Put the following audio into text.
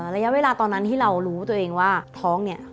ระยะเวลาตอนนั้นที่เรารู้ตัวเองว่าท้องเนี่ย